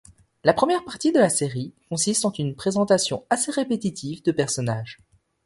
La première partie de la série consiste en une présentation assez répétitive de personnages.